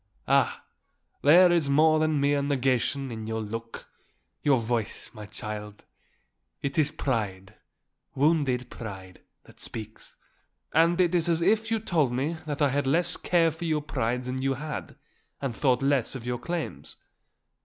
"Ah, there is more than mere negation in your look, your voice, my child. It is pride, wounded pride, that speaks; and it is as if you told me that I had less care for your pride than you had, and thought less of your claims."